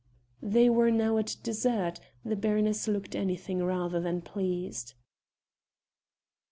'" They were now at dessert; the baroness looked anything rather than pleased.